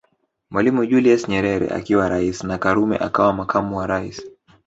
Mwalimu Julius Nyerere akiwa rais na Karume akawa makamu wa rais